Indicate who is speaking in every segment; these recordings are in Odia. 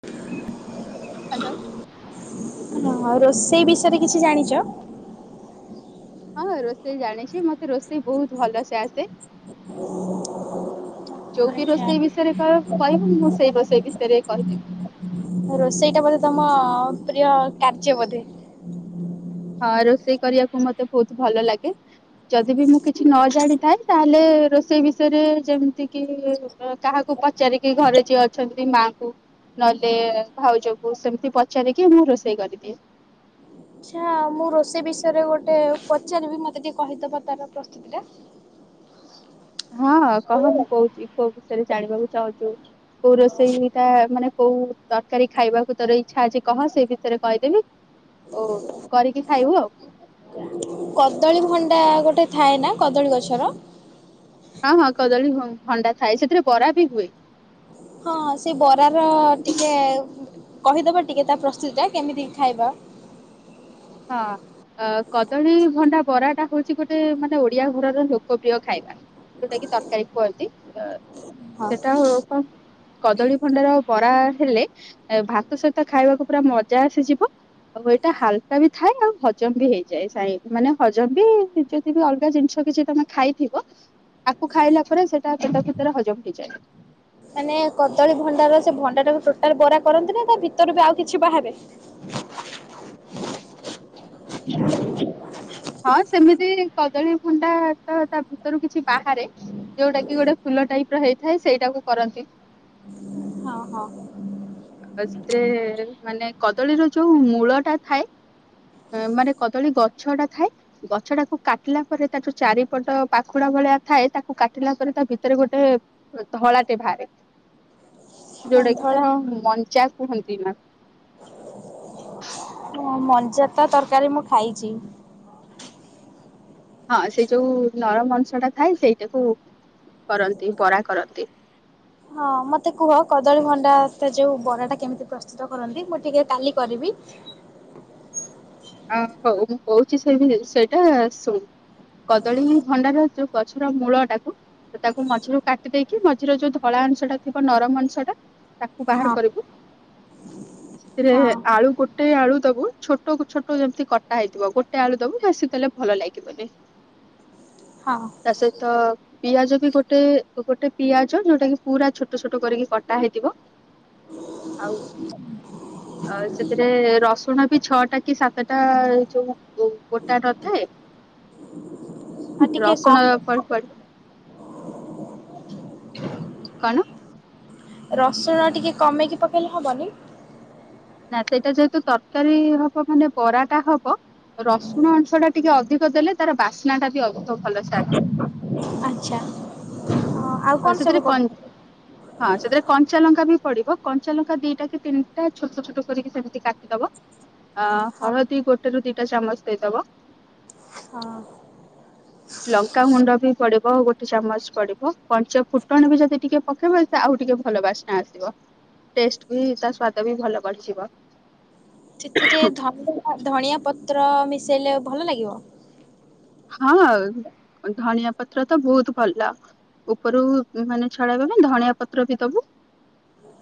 Speaker 1: [inaudible]
Speaker 2: ହାଲୋ।
Speaker 1: ହଁ ଆଉ ରୋଷେଇ ବିଷୟରେ କିଛି ଜାଣିଚ?
Speaker 2: ହଁ ରୋଷେଇ ଜାଣିଛି ମତେ ରୋଷେଇ ବହୁତ୍ ଭଲସେ ଆସେ। ଯୋଉ ବିି
Speaker 1: ଆଚ୍ଛା।
Speaker 2: ରୋଷେଇ ବିଷୟରେ କଇବ କହିବ ମୁଁ ସେଇ ରୋଷେଇ ବିଷୟରେ କହିଦେବି।
Speaker 1: ରୋଷେଇଟା ବୋଧେ ତମ ପ୍ରିୟ କାର୍ଯ୍ୟ ବୋଧେ।
Speaker 2: ହଁ ରୋଷେଇ କରିବାକୁ ମତେ ବହୁତ୍ ଭଲ ଲାଗେ ଯଦି ବି ମୁଁ କିଛି ନ ଜାଣିଥାଏ ତାହେଲେ ରୋଷେଇ ବିଷୟରେ ଯେମିତି କି ଇ କାହାକୁ ପଚାରିକି ଘରେ ଯିଏ ଅଛନ୍ତି ମାକୁ ନହେଲେ ଭାଉଜକୁ ସେମିତି ପଚାରିକି ମୁଁ ରୋଷେଇ କରିଦିଏ।
Speaker 1: [unintelligible] ମୁଁ ରୋଷେଇ ବିଷୟରେ ଗୋଟେ ପଚାରିବି ମତେ ଟିକେ କହିଦେବ ତାର ପ୍ରସ୍ତୁତି ଟା।
Speaker 2: ହଁ କହ ମୁଁ କହୁଛି କ ଷୟରେ ଜାଣିବାକୁ ଚାହୁଁଚୁ କୋଉ ରୋଷେଇଟା ମାନେ କୋଉ ତରକାରୀ ଖାଇବାକୁ ତୋର ଇଚ୍ଛା ଅଛି କହ ସେଇ ବିଷୟରେ କହିଦେବି ଓ କରିକି ଖାଇବୁ ଆଉ।
Speaker 1: କଦଳୀ ଭଣ୍ଡା ଗୋଟେ ଥାଏ ନା କଦଳୀ ଗଛର।
Speaker 2: ହଁ ହଁ କଦଳୀ ଭଣ୍ଡା ଥାଏ ସେଥିରେ ବରା ବି ହୁଏ।
Speaker 1: ହଁ ସେ ବରାର ଟିକେ କହିଦବ ଟିକେ ତା ପ୍ରସ୍ତୁତି ଟା କେମିତି ଖାଇବା।
Speaker 2: ହଁ କଦଳୀ ଭଣ୍ଡା ବରାଟା ହଉଛି ଗୋଟେ ମାନେ ଓଡିଆ ଘରର ଲୋକପ୍ରିୟ ଖାଇବା ଯୋଉଟା କି ତରକାରୀ କୁହନ୍ତି ଅ
Speaker 1: ହଁ।
Speaker 2: ସେଟା ହଉ [unintelligible] କଦଳୀ ଭଣ୍ଡାର ବରା ହେଲେ ଭାତ ସହିତ ଖାଇବାକୁ ପୁରା ମଜା ଆସିଯିବ ଆଉ ଏଇଟା ହାଲ୍ କା ବି ଥାଏ ଆଉ ହଜମ ବି ହେଇଯାଏ [unintelligible] ମାନେ ହଜମ ବି ଯଦି ବି ଅଲଗା ଜିନିଷ କିଛି ତମେ ଖାଇଥିବ ତାକୁ ଖାଇଲା ପରେ ସେଇଟା ପେଟ ଭିତରେ ହଜମ ହେଇଯାଏ।
Speaker 1: ମାନେ କଦଳୀ ଭଣ୍ଡାର ସେ ଭଣ୍ଡା ଟାକୁ ଟୋଟାଲ୍ ବରା କରନ୍ତି ନା ତା ଭିତରୁ ବି ଆଉ କିଛି ବାହାରେ।
Speaker 2: [inaudible] ହଁ ସେମିତି କଦଳୀ ଭଣ୍ଡା ତ ତା ଭିତରୁ କିଛି ବାହାରେ ଯୋଉଟା କି ଗୋଟେ ଫୁଲ ଟାଇପର ହେଇଥାଏ ସେଇଟାକୁ କରନ୍ତି।
Speaker 1: ଅ ହଁ।
Speaker 2: ସେଥିରେ ମାନେ କଦଳୀର ଯୋଉ ମୂଳଟା ଥାଏ ଅଁ ମାନେ କଦଳୀ ଗଛଟା ଥାଏ। ଗଛଟାକୁ କାଟିଲା ପରେ ତା ଯୋଉ ଚାରିପଟ ପାଖୁଡା ଭଳିଆ ଥାଏ ତାକୁ କାଟିଲା ପରେ ତା ଭିତରେ ଗୋଟେ ଧଳାଟେ ଭାରେ। ଯୋଉଟା କି ତାର
Speaker 1: ଧଳା
Speaker 2: ମଞ୍ଚା କୁହନ୍ତି ନା।
Speaker 1: ହଁ ମଞ୍ଜା ତା ତରକାରୀ ମୁଁ ଖାଇଚି।
Speaker 2: ହଁ ସେଇ ଯୋଉ ନରମ ଅଂଶଟା ଥାଏ ସେଇଟାକୁ କରନ୍ତି ବରା କରନ୍ତି।
Speaker 1: ହଁ ମତେ କୁହ କଦଳୀ ଭଣ୍ଡା ସେ ଯୋଉ ବରାଟା କେମିତି ପ୍ରସ୍ତୁତ କରନ୍ତି ମୁଁ ଟିକେ କାଲି କରିବି।
Speaker 2: ଆ ହୋଉ ମୁଁ କୋହୁଚି ସେ ବି ସେଇଟା ଶୁଣ୍ କଦଳୀ ଭଣ୍ଡାର ଯୋଉ ଗଛର ମୂଳଟାକୁ ସେ ତାକୁ ମଝିରୁ କାଟି ଦେଇକି ମଝିରେ ଯୋଉ ଧଳା ଅଂଶଟା ଥିବ ନରମ ଅଂଶଟା ତାକୁ ବାହାର
Speaker 1: ହଁ
Speaker 2: କରିବୁ ସେଥିରେ
Speaker 1: ହଁ
Speaker 2: ଆଳୁ ଗୋଟେ ଆଳୁ ଦୋବୁ ଛୋଟ ଛୋଟ ଟ ଯେମିତି କଟା ହେଇଥିବ ଗୋଟେ ଆଳୁ ଦୋବୁ ବେଶୀ ଦେଲେ ଭଲ ଲାଗିବନି।
Speaker 1: ହଁ
Speaker 2: ତା ସହିତ ପିଆଜ ବି ଗୋଟେ ଗୋଟେ ପିଆଜ ଯୋଉଟା କି ପୁରା ଛୋଟ ଛୋଟ କରିକି କଟା ହେଇଥିବ ଆଉ ଆ ସେଥିରେ ରସୁଣ ବି ଛଅଟା କି ସାତଟା ଯୋଉ ଗୋ-ଗୋଟା ନଥାଏ
Speaker 1: ଆଉ ଟିକେ
Speaker 2: ରସୁଣ
Speaker 1: କମ୍
Speaker 2: ପଡି ପଡିବ। କଣ?
Speaker 1: ରସୁଣ ଟିକେ କମେଇକି ପକେଇଲେ ହବନି?
Speaker 2: ନା ସେଇଟା ଯେହେତୁ ତରକାରୀ ହବ ମାନେ ବରାଟା ହବ ରସୁଣ ଅଂଶଟା ଟିକେ ଅଧିକ ଦେଲେ ତାର ବାସ୍ନା ଟା ବି ଅଧିକ ଭଲସେ ଆଣିବ।
Speaker 1: ଆଚ୍ଛା। ହଁ ଆଉ କଣ
Speaker 2: ସେଥିରେ
Speaker 1: ସବୁ
Speaker 2: କନ୍
Speaker 1: କରୁଛନ୍ତି?
Speaker 2: ହଁ ସେଥିରେ କଞ୍ଚା ଲଙ୍କା ବି ପଡିବ କଞ୍ଚା ଲଙ୍କା ଦିଟା କି ତିନିଟା ଛୋଟ ଛୋଟ କରିକି ସେମିତି କାଟିଦବ। ଅ
Speaker 1: ହଁ
Speaker 2: ହଳଦୀ ଗୋଟେରୁ ଦି ଗୋଟେ ଚାମଚ ଦେଇଦବ
Speaker 1: ହଁ।
Speaker 2: ଲଙ୍କାଗୁଣ୍ଡ ବି ପଡିବ ଗୋଟେ ଚାମଚ ପଡିବ। ପଞ୍ଚଫୁଟଣ ବି ଯଦି ଟିକେ ପକେଇବ ଏଥିରେ ଆଉ ଟିକେ ଭଲ ବାସ୍ନା ଆସିବ ଟେଷ୍ଟ ବି ତା ସ୍ଵାଦ ବି ଭଲ ବଢିଯିବ।
Speaker 1: ସେଥିରେ ଧନିଆ ଧଣିଆ ପତ୍ର ମି ସେଇଲେ ଭଲ ଲାଗିବ?
Speaker 2: ହଁ ଧଣିଆ ପତ୍ର ତ ବୋହୁତ ଭଲ ଉପରୁ ମାନେ ଛଡେଇ ବନା ଧଣିଆ ପତ୍ର ବି ଦୋବୁ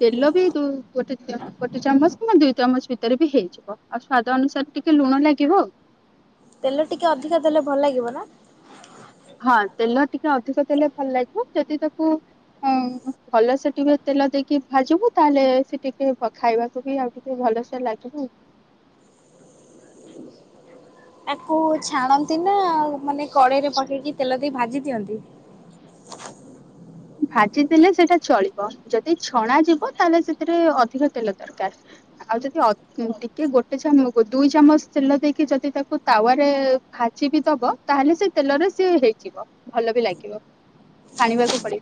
Speaker 2: ତେଲ ବି ଯଦି ଗୋଟେ ଗୋଟେ ଚାମଚ କି ଦୁଇ ଚାମଚ ଭିତରେ ବି ହେଇଯିବ ଆଉ ସ୍ଵାଦ ଅନୁସାରେ ଟିକେ ଲୁଣ ଲାଗିବ ଆଉ।
Speaker 1: ତେଲ ଟିକେ ଅଧିକା ଦେଲେ ଭଲ ଲାଗିବ ନା?
Speaker 2: ହଁ ତେଲ ଟିକେ ଅଧିକ ଦେଲେ ଭଲ ଲାଗିବ ଯଦି ତାକୁ ଉଁ ଭଲସେ ଟିକେ ତେଲ ଦେଇକି ଭାଜିବୁ ତାହେଲେ ସେ ଟିକେ ବ-ଖାଇବାକୁ ବି ଆଉ ଟିକେ ଭଲସେ ଲାଗିବ ଆଉ।
Speaker 1: ତାକୁ ଛାଣନ୍ତି ନା ମାନେ କଡେଇରେ ପକେଇକି ତେଲ ଦେଇ ଭାଜି ଦିଅନ୍ତି।
Speaker 2: ଭାଜି ଦେଲେ ସେଇଟା ଚଳିବ ଯଦି ଛଣାଯିବ ତାହେଲେ ସେଥିରେ ଅଧିକ ତେଲ ଦରକାର ଆଉ ଯଦି ଅ-ଟିକେ ଗୋଟେ ଚାମୁ-ଦୁଇ ଚାମଚ ତେଲ ଦେଇକି ଯଦି ତାକୁ ତାୱାରେ ଭାଜି ବି ଦବ ତାହେଲେ ସେଇ ତେଲରେ ସିଏ ହେଇଯିବ ଭଲ ବି ଲାଗିବ ଛାଣିବାକୁ ପଡି ବନି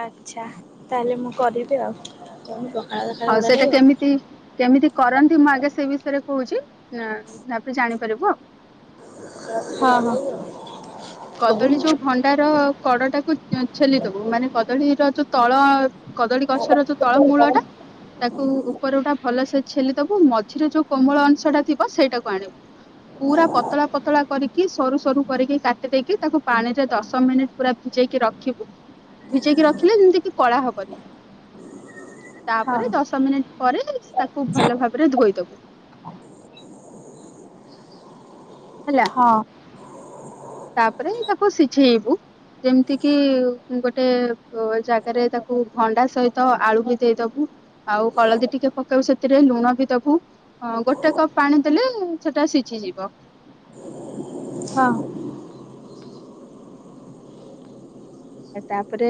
Speaker 1: ଆଚ୍ଛା ତାହେଲେ ମୁଁ କରିବି ଆଉ କହିବ।
Speaker 2: ଆଉ ସେଇଟା କେମିତି? କେମିତି କରନ୍ତି ମୁଁ ଆଗେ ସେ ବିଷୟରେ କୋହୁଚି ଉଁ ତାପରେ ଜାଣିପାରିବୁ ଆଉ।
Speaker 1: ହଁ ହଁ।
Speaker 2: କଦଳୀ ଯୋଉ ଭଣ୍ଡାର କଡଟାକୁ ଉଁ ଛେଲି ଦୋବୁ ମାନେ କଦଳୀର ଯୋଉ ତଳ କଦଳୀ ଗଛର ଯୋଉ ତଳ ମୂଳ ଟା ତାକୁ ଉପରୁଟା ଭଲସେ ଛେଲିଦବୁ ମଝିରେ ଯୋଉ କୋମଳ ଅଂଶ ଟା ଥିବ ସେଇଟାକୁ ଆଣିବୁ ପୁରା ପତଳା ପତଳା କରିକି ସରୁ ସରୁ କରିକି କା ଦେଇକି ତାକୁ ପାଣିରେ ଦଶ ମିନିଟ୍ ପୁରା ଭିଜେଇକି ରଖିବୁ ଭିଜେଇକି ରଖିଲେ ଯେନ୍ତି କିି କଳା ହବନି।
Speaker 1: ହଁ
Speaker 2: ତାପରେ ଦଶ ମିନିଟ୍ ପରେ ତାକୁ ଭଲ ଭାବରେ ଧୋଇଦବୁ। ହେଲା।
Speaker 1: ହଁ।
Speaker 2: ତାପରେ ତାକୁ ସିଝେଇବୁ ଯେମିତି କିି ଗୋଟେ ଜାଗାରେ ତାକୁ ଭଣ୍ଡା ସହିତ ଆଳୁ ବି ଦେଇଦବୁ ଆଉ ହଳଦୀ ଟିକେ ପକେଇବ ସେଥିରେ ଲୁଣ ବି ଦବୁ ଗୋଟେ କପ ପାଣି ଦେଲେ ସେଟା ସିଝିଯିବି।
Speaker 1: ହିଁ।
Speaker 2: ତାପରେ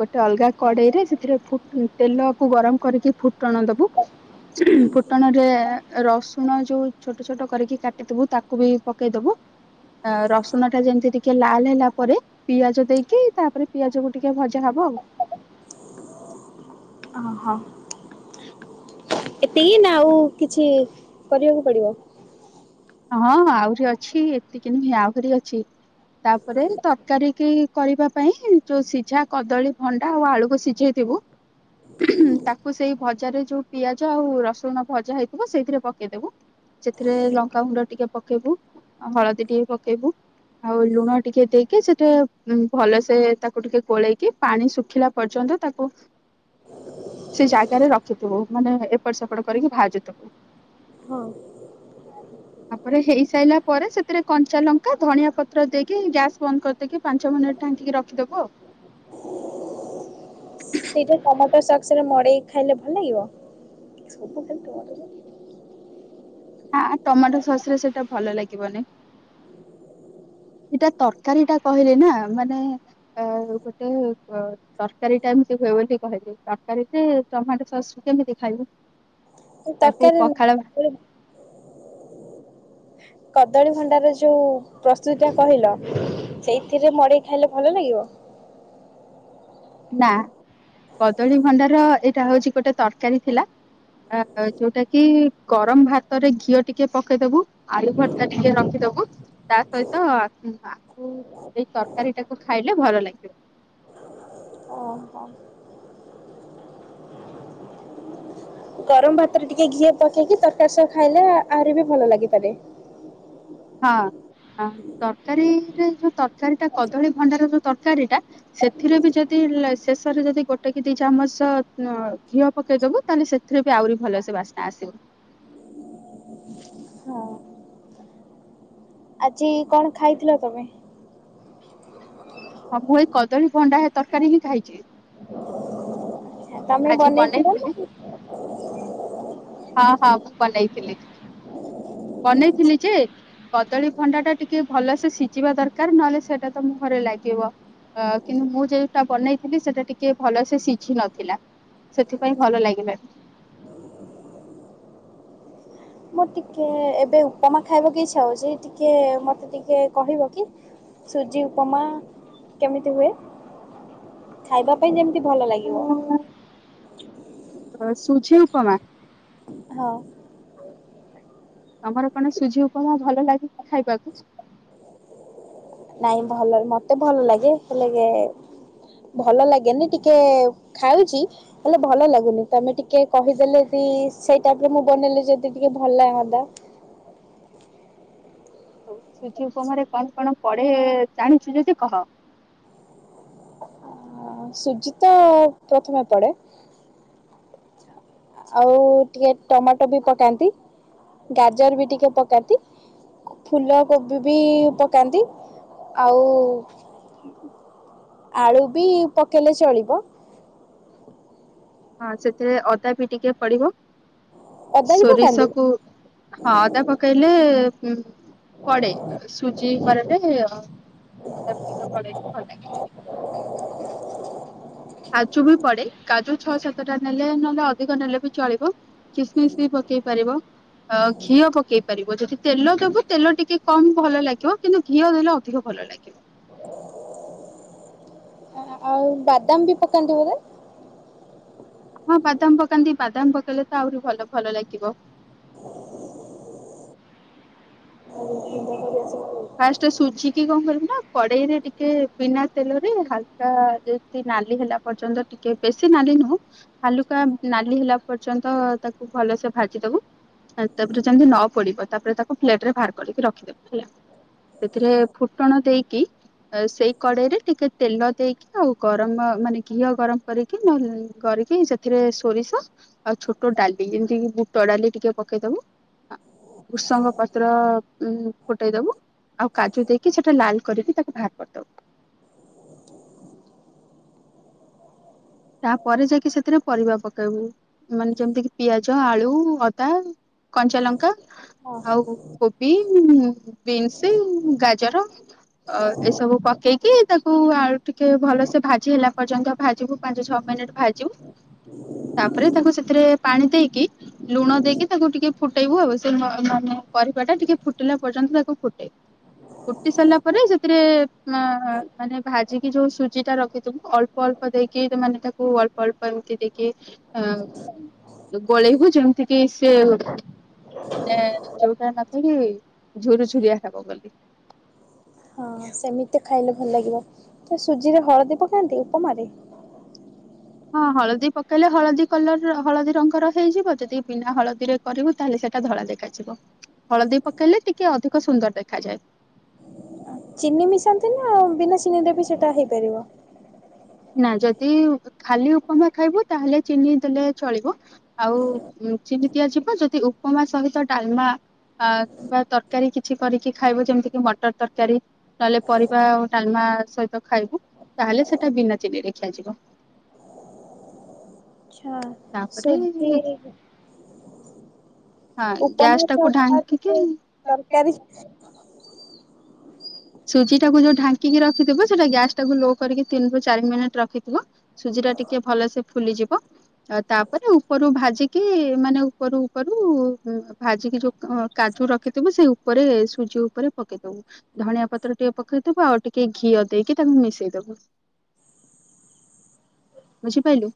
Speaker 2: ଗୋଟେ ଅଲଗା କଡେଇରେ ଫୁଟ ସେଥିରେ ତେଲକୁ ଗରମ କରିକି ଫୁଟଣ ଦବୁ ଫୁଟଣରେ ରସୁଣ ଯୋଉ ଛୋଟ ଛୋଟ କରିକି କାଟିଥିବୁ ତାକୁ ବି ପକେଇ ଦବୁ ରସୁଣ ଟା ଯେମିତି ଟିକେ ଲାଲ ହେଲା ପରେ ପିଆଜ ଦେଇ ତାପରେ ପିଆଜ କ ଟିକେ ଭଜା ହବ ଆଉ।
Speaker 1: ଅହୋ। ଏତିକି ନା ଆଉ କିଛି କରିବାକୁ ପଡିବ?
Speaker 2: ହଁ ଆହୁରି ଅଛି ଏତିକି ନୁହେଁ ଆହୁରି ଅଛି ତାପରେ ତରକାରୀ କି କରିବା ପାଇଁ ଯୋଉ ସିଝା କଦଳୀ ଭଣ୍ଡା ଆଉ ଆଳୁକୁ ସିଝେଇଥିବୁ ତାକୁ ସେଇ ଭଜାରେ ଯୋଉ ପିଆଜ ଆଉ ରସୁଣ ଭଜା ହେଇଥିବ ସେଇଥିରେ ପକେଇଦବୁ ସେଥିରେ ଲ ଗୁଣ୍ଡ ଟିକେ ପକେଇବୁ ହଳଦୀ ଟିକେ ପକେଇବୁ ଆଉ ଲୁଣ ଟିକେ ଦେଇକି ସେଟେ ଭଲସେ ତାକୁ ଟିକେ ଗୋଳେଇକି ପାଣି ଶୁଖିଲା ପର୍ଯ୍ୟନ୍ତ ତାକୁ ସେ ଜାଗାରେ ରଖିଥିବୁ ମାନେ ଏପଟ ସେପଟ କରିକି ଭାଜୁଥିବୁ।
Speaker 1: ହଁ।
Speaker 2: ତାପରେ ହେଇସାରିଲା ପରେ ସେଥିରେ କଞ୍ଚା ଲଙ୍କା ଧନଆ ପତ୍ର ଦେଇକି ଗ୍ୟାସ ବନ୍ଦ କରିଦେଇକି ପାଞ୍ଚ ମିନିଟ ଢାଙ୍କିକି ରଖିଦବୁ ଆ
Speaker 1: ସେରା ମଡେଇକି ଖାଇଲେ ଭଲ ଲାଗିବ?
Speaker 2: ନା ଟମାଟୋ ସସ ରେ ସେଟା ଭଲ ଲାଗିବନି। ଏଇଟା ତରକାରୀ ଟା କହିଲେ ନା ମାନେ ଗୋଟେ ତରକାରୀ ଟା ଏମିତି ହୁଏ ବୋଲି କହିଲି ତରକାରୀରେ ଟମାଟୋ ସସ୍ କେମିତି ଖାଇବୁ। ତାକୁ
Speaker 1: ତରକାରି ନୁହଁ
Speaker 2: ପଖାଳ
Speaker 1: ତରକାରି [unintelligible] କଦଳୀ ଭଣ୍ଡାର ଯୋଉ ପ୍ରସ୍ତୁତି ଟା କହିଲ ସେଇଥିରେ ମଡେଇ ଖାଇଲେ ଭଲ ଲାଗିବ?
Speaker 2: ନା କଦଳୀ ଭଣ୍ଡାର ଏଇଟା ହଉଛି ଗୋଟେ ତରକାରୀ ଥିଲା ଯୋଉଟା କି ଗରମ ଭାତରେ ଘିଅ ଟିକେ ପକେଇଦବୁ ଆଳୁ ଭର୍ତା ଟିକେ ରଖିଦବୁ। ତା ସହିତ ଆ ଏଇ ତରକାରୀ ଟାକୁ ଖାଇଲେ ଭଲ ଲାଗିବ।
Speaker 1: ଓହୋ। ଗରମ ଭାତରେ ଟିକେ ଘିଅ ପକେଇକି ତରକାରୀ ଖାଇଲେ ଆହୁରି ବି ଭଲ ଲାଗିପାରେ।
Speaker 2: ହଁ ତରକାରୀରେ ଯୋଉ ତରକାରୀଟା କଦଳୀ ଭଣ୍ଡାର ଯୋଉ ତରକାରୀଟା ସେଥିରେ ବି ଯଦି ଶେଷରେ ଯଦି ଗୋଟେ କି ଦି ଚାମଚ ଘିଅ ପକେଇଦବୁ ତାହେଲେ ସେଥିରେ ବି ଆହୁରି ଭଲସେ ବାସ୍ନା ଆସିବ।
Speaker 1: ହଁ। ଆଜି କଣ ଖାଇଥିଲ ତମେ?
Speaker 2: ହଁ ମୁଁ ଏ କଦଳୀ ଭଣ୍ଡା ହେ ତରକାରୀ ହିଁ ଖାଇଛି।
Speaker 1: ତମେ
Speaker 2: ଆଜି
Speaker 1: ବନେଇଥିଲ ନା?
Speaker 2: ବନେଇଥିଲି ହଁ ହଁ ମୁଁ ବନେଇଥିଲି। ବନେଇଥିଲି ଯେ କଦଳୀ ଭଣ୍ଡା ଟା ଟିକେ ଭଲସେ ସିଜିବା ଦରକାର ନହେଲେ ସେଟା ତ ମୁହଁ ରେ ଲାଗିବ ଆ କିନ୍ତୁ ମୁଁ ଯେଉଟା ବନେଇଥିଲି ସେଟା ଟିକେ ଭଲସେ ସିଝି ନଥିଲା ସେଥିପାଇଁ ଭଲ ଲାଗିଲାନି।
Speaker 1: ମୁଁ ଟିକେ ଏବେ ଉପମା ଖାଇବାକୁ ଇଚ୍ଛା ହଉଚି ଟିକେ ମତେ ଟିକେ କହିବ କି ସୁଜି ଉପମା କେମିତି ହୁଏ। ଖାଇବା ପାଇଁ ଯେମତି ଭଲ ଲାଗିବ।
Speaker 2: ଅ ସୁଜି ଉପମା
Speaker 1: ହଁ।
Speaker 2: ତମର କଣ ସୁଜି ଉପମା ଭଲ ଲାଗେ କିି ଖାଇବାକୁ?
Speaker 1: ନାଇଁ ଭଲ ମତେ ଭଲ ଲାଗେ ହେଲେ ଏ ଭଲ ଲାଗେନି ଟିକେ ଖାଉଚି ହେଲେ ଭଲ ଲାଗୁନି ତମେ ଟିକେ କହିଦେଲେ ଟି ସେଇ ଟାଇପରେ ମୁଁ ବନେଇଲି ଯଦି ଟିକେ ଭଲଲାଗନ୍ତା।
Speaker 2: ହଉ ସୁଜି ଉପମାରେ କଣ କଣ ପଢେ ଜାଣିଚୁ ଯଦି କହ?
Speaker 1: ସୁଜି ତ ପ୍ରଥମେ ପଡେ। ଆଉ ଟିକେ ଟମାଟୋ ବି ପକାନ୍ତି ଗାଜର ବି ଟିକେ ପକାନ୍ତି ଫୁଲକୋବି ବି ପକାନ୍ତି ଆଉ ଆଳୁ ବି ପକେଇଲେ ଚଳିବ।
Speaker 2: ହଁ ସେଥିରେ ଅଦା ବି ଟିକେ ପଡିବ।
Speaker 1: ଅଦା ବି ପକାନ୍ତି?
Speaker 2: ସୋରିଷକୁ ହଁ ଅଦା ପକେଇଲେ ହୁଁ। ପଡେ ସୁଜି ଉପମାରେ ଅଦା ଟିକେ ପଡ଼ିଲେ ଭଲଲାଗେ। କାଜୁ ବି ପଡେ କାଜୁ ଛଅ ସାତଟା ନେଲେ ନହେଲେ ଅଧିକ ନେଲେ ବି ଚଳିବ। କିସମିସ ବି ପକେଇ ପାରିବ ଅ ଘିଅ ପକେଇ ପାରିବ ଯଦି ତେଲ ଦବୁ ତେଲ ଟିକେ କମ ଭଲ ଲାଗିବ କିନ୍ତୁ ଘିଅ ଦେଲେ ଅଧିକ ଭଲ ଲାଗିବ।
Speaker 1: ଆଉ ବାଦାମ ବି ପକାନ୍ତି ବୋଧେ।
Speaker 2: ହଁ ବାଦାମ ପକାନ୍ତି ବାଦାମ ପକେଇଲେ ତ ଆହୁରି ଭଲ ଭଲ ଲାଗିବ।
Speaker 1: ଓହୋ
Speaker 2: ଫାଷ୍ଟ ସୁଝିକି କଣ କରିବୁ ନା କଡେଇରେ ଟିକେ ବିନା ତେଲରେ ହାଲକା ଯେମିତି ନାଲି ହେଲା ପର୍ଯ୍ୟନ୍ତ ଟିକେ ବେଶୀ ନାଲି ନୁହଁ ହାଲୁକା ନାଲି ହେଲା ପର୍ଯ୍ୟନ୍ତ ତାକୁ ଭଲସେ ଭାଜି ଦବୁ। ଅ ତାପରେ ଯେମିତି ନ ପୋଡିବ ତାପରେ ତାକୁ ଫ୍ଲେଟ ରେ ବାହାର କରିକି ରଖିଦବୁ ହେଲା। ସେଥିରେ ଫୁଟଣ ଦେଇକି ସେଇ କଡେଇରେ ଟିକେ ତେଲ ଦେଇକି ଆଉ ଗରମ ମାନେ ଘିଅ ଗରମ କରିକି ନ ଲେ କରିକି ସେଥିରେ ସୋରିଷ ଆଉ ଛୋଟ ଡାଲି ଯେମିତିି ବୁଟ ଡାଲି ଟିକେ ପକେଇ ଦବୁ, ଭୃଷଙ୍ଗ ପତ୍ର ଉ ଫୁଟେଇ ଦବୁ। ଆଉ କାଜୁ ଦେଇକି ସେଟା ଲାଲ କରିକି ତାକୁ ବାହାର କରିଦବୁ। ତାପରେ ଯାଇକି ସେଥିରେ ପରିବା ପକେଇବୁ ମାନେ ଯେମିତି କି ପିଆଜ, ଆଳୁ, ଅଦା, କଞ୍ଚା ଲଙ୍କା ଆଉ କୋବି। ଉଁ ବିନ୍ସ ଗାଜର ଏସବୁ ପକେଇକି ତାକୁ ଆଉ ଟିକେ ଭଲସେ ଭାଜି ହେଲା ପର୍ଯ୍ୟନ୍ତ ଭାଜିବୁ। ପାଞ୍ଚ ଛଅ ମିନିଟ ଭାଜିବୁ। ତା ପରେ ତାକୁ ସେଥିରେ ପାଣି ଦେଇକି ଲୁଣ ଦେଇକି ତାକୁ ଟିକେ ଫୁଟେଇବୁ। ଆଉ ସେ ମାନେ ପରିବା ଟା ଟିକେ ଫୁଟିଲା ପର୍ଯ୍ୟନ୍ତ ତାକୁ ଫୁଟେଇବୁ ଫୁଟି ସାରିଲା ପରେ ସେଥିରେ ମାନେ ଭାଜିକି ଯୋଉ ସୁଜି ଟା ରଖିଥିବୁ ଅଳ୍ପ ଅଳ୍ପ ଦେଇ କି ମାନେ ତାକୁ ଅଳ୍ପ ଅଳ୍ପ ଏମତି ଦେଇକି ଗୋଳେଇବୁ ଯେମିତି କିି ସେ ମାନେ ଯୋଉଟା ନଥାଏ କିି ଝୁରୁଝୁରିଆ ହବ ବୋଲି।
Speaker 1: ହଁ ସେମିତି ଖାଇଲେ ଭଲ ଲାଗିବ ସୁଜିରେ ହଳଦୀ ପକାନ୍ତି ଉପମାରେ?
Speaker 2: ହଁ ହଳଦୀ ପକେଇଲେ ହଳଦୀ କଲର ହଳଦୀ ରଙ୍ଗର ହେଇଯିବ ଯଦି ବିନା ହଳଦୀରେ କରିବୁ ତାହେଲେ ସେଟା ଧଳା ଦେଖାଯିବ ହଳଦୀ ପକେଇଲେ ଟିକେ ଅଧିକ ସୁନ୍ଦର ଦେଖାଯାଏ।
Speaker 1: ଚିନି ମିଶାନ୍ତି ନାଉ ବିନା ଚିନି ଦେ ବି ସେଟା ହେଇପାରିବ?
Speaker 2: ନା ଯଦି ଖାଲି ଉପମା ଖାଇବୁ ତାହେଲେ ଚିନି ଦେଲେ ଚଳିବ। ଆଉ ଚିନି ଦିଆଯିବ ଯଦି ଉପମା ସହିତ ଡାଲମା ବା ତରକାରୀ କିଛି କରିକି ଖାଇବ ଯେମିତି କିି ମଟର ତରକାରୀ ନହେଲେ ପରିବା ଆଉ ଡାଲମା ସହିତ ଖାଇବୁ ତାହେଲେ ସେଟା ବିନା ଚିନିରେ ଖିଆ ଯିବ।
Speaker 1: ଆଚ୍ଛା [unintelligible]
Speaker 2: ହଁ ଗ୍ୟାସ
Speaker 1: ଉପମା ତ
Speaker 2: ଟାକୁ
Speaker 1: ଦରକାର ଟିକେ
Speaker 2: ଢାଙ୍କିକି
Speaker 1: ତରକାରୀ
Speaker 2: ସୁଜି ଟାକୁ ଯୋଉ ଢାଙ୍କି ରଖିଥିବ ସେଟା ଗ୍ୟାସ୍ ଟାକୁ ଲୋ କରିକି ତିନି ରୁ ଚାରି ମିନିଟ ରଖିଥିବ। ସୁଜି ଟା ଟିକେ ଭଲସେ ଫୁଲିଯିବ ଆ ତାପରେ ଉପରୁ ଭାଜିକି ମାନେ ଉପ ଉପରୁ ଭାଜିକି ଯୋଉ କାଜୁ ରଖିଥିବ ସେ ଉପରେ ସୁଜି ଉପରେ ପକେଇବୁ। ଧଣିଆ ପତ୍ର ଟିକେ ପକେଇଦବୁ। ଆଉ ଟିକେ ଘିଅ ଦେଇକି ତାକୁ ମିଶେଇଦବୁ। ବୁଝି ପାଇଲୁ।